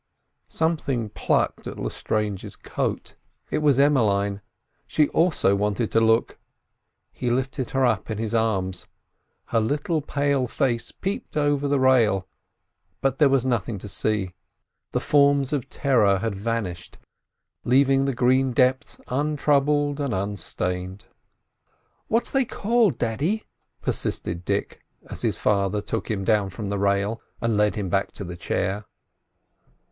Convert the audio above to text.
Something plucked at Lestrange's coat: it was Emmeline—she also wanted to look. He lifted her up in his arms; her little pale face peeped over the rail, but there was nothing to see: the forms of terror had vanished, leaving the green depths untroubled and unstained. "What's they called, daddy?" persisted Dick, as his father took him down from the rail, and led him back to the chair.